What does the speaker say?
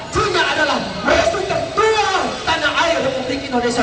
chunya adalah musuh ketua tanah air republik indonesia